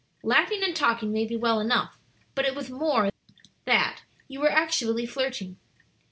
"Laughing and talking may be well enough; but it was more than that; you were actually flirting."